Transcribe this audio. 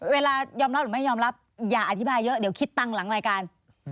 เวลายอมรับหรือไม่ยอมรับอย่าอธิบายเยอะเดี๋ยวคิดตังค์หลังรายการ